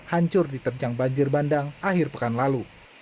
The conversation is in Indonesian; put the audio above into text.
hancur diterjang banjir bandang akhir pekan lalu